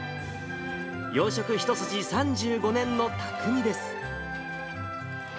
洋食一筋３６年のたくみです。